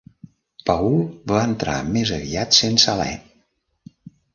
Paul va entrar més aviat sense alè.